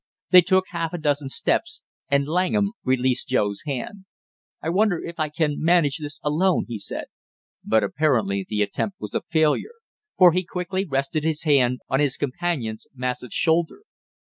They took half a dozen steps and Langham released Joe's hand. "I wonder if I can manage this alone!" he said. But apparently the attempt was a failure, for he quickly rested his hand on his companion's massive shoulder.